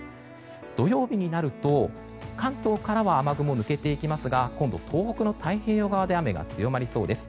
土曜日になると関東からは雨雲は抜けていきますが今度、東北の太平洋側で雨が強まりそうです。